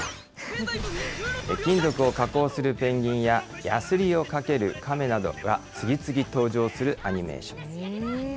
金属を加工するペンギンや、ヤスリをかけるカメなどが次々登場するアニメーション。